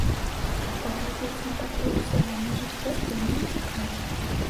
Паглядзець на такую асобу ў межах фэсту вельмі цікава.